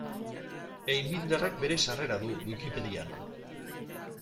Einbinderrek bere sarrera du Wikipedian.